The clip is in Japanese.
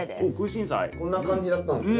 こんな感じだったんすね。